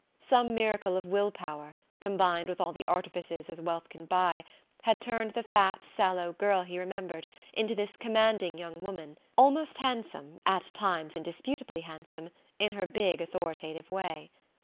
Some miracle of will power, combined with all the artifices that wealth can buy, had turned the fat sallow girl he remembered into this commanding young woman, almost handsome at times indisputably handsome in her big authoritative way.